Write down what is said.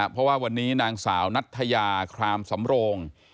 เพราะว่าวันนี้นางสาวนัทยาครามสำโรง